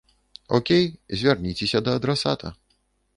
Окей, звярніцеся да адрасата.